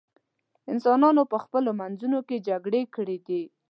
انسانانو په خپلو منځونو کې جګړې کړې دي.